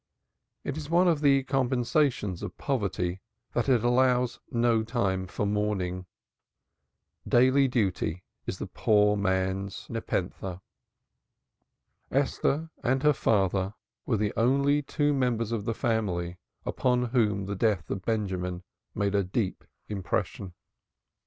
It is one of the compensations of poverty that it allows no time for mourning. Daily duty is the poor man's nepenthe. Esther and her father were the only two members of the family upon whom the death of Benjamin made a deep impression.